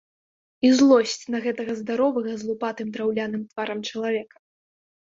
І злосць на гэтага здаровага з лупатым драўляным тварам чалавека.